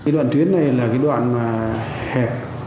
đoạn tuyến này là đoạn hẹp